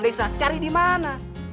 bisa cari dimana